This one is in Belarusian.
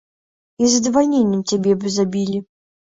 І з задавальненнем цябе б забілі.